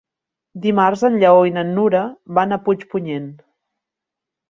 Dimarts en Lleó i na Nura van a Puigpunyent.